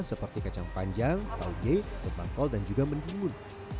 seperti kacang panjang tauge tempat kol dan juga mentimun